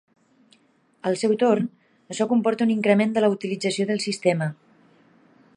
Al seu torn, això comporta un increment de la utilització del sistema.